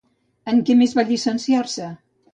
En què més va llicenciar-se?